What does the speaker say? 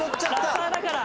ラッパーだから。